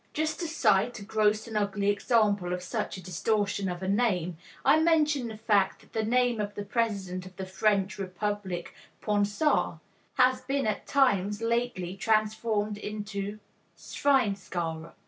Just to cite a gross and ugly example of such a distortion of a name, I mention the fact that the name of the President of the French Republic, Poincaré, has been at times, lately, transformed into "Schweinskarré."